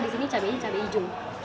di sini cabainya cabai hijau